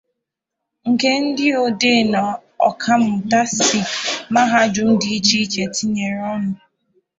nke ndị odee na ọkammụta si mahadum dị iche iche tinyere ọnụ